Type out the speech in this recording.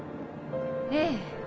ええ。